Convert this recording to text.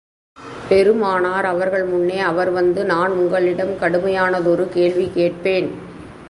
பெருமானார் அவர்கள் முன்னே அவர் வந்து, நான் உங்களிடம் கடுமையானதொரு கேள்வி கேட்பேன்.